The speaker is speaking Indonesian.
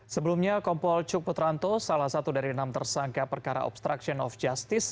sebelumnya kompol cuk putranto salah satu dari enam tersangka perkara obstruction of justice